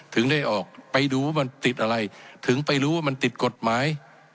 ถึงได้ออกไปดูว่ามันติดอะไรถึงไปรู้ว่ามันติดกฎหมาย